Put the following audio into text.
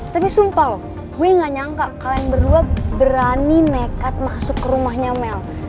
tapi sumpah gue gak nyangka kalian berdua berani nekat masuk ke rumahnya mel